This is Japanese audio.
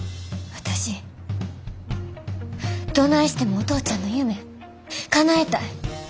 私どないしてもお父ちゃんの夢かなえたい。